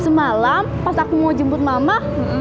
semalam pas aku mau jemput mama